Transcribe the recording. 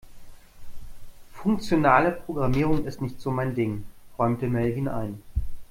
Funktionale Programmierung ist nicht so mein Ding, räumte Melvin ein.